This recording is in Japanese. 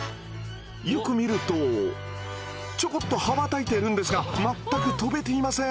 よく見るとちょこっと羽ばたいてるんですが全く飛べていません。